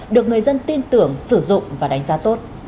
được người dân tin tưởng sử dụng và đánh giá tốt